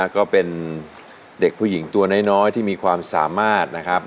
ก็เป็นเด็กผู้หญิงตัวน้อยที่มีความสามารถนะครับ